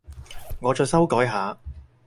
我再修改下